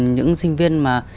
những sinh viên mà